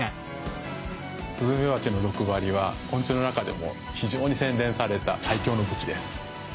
スズメバチの毒針は昆虫の中でも非常に洗練された更に！